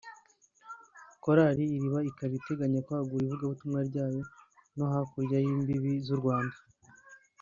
Korali Iriba ikaba iteganya kwagura ivugabutumwa ryayo no hakurya y’imbibi z’u Rwanda